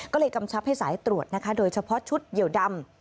ก็เลยกำชับให้สายตรวจนะคะโดยเฉพาะชุดเหยียวดำ